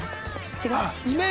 違う？